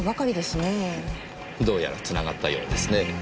どうやら繋がったようですね。